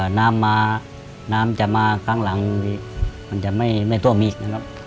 น้ำมาน้ำจะมาครั้งหลังมันจะไม่ท่วมอีกนะครับ